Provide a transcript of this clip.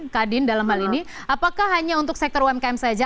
kadin dalam hal ini apakah hanya untuk sektor umkm saja